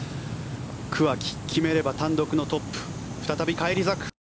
桑木、決めれば単独のトップに再び返り咲く。